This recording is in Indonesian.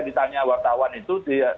ditanya wartawan itu